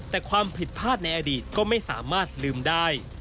แต่ความผิดพลาดในอดีตก็ไม่สามารถลืมได้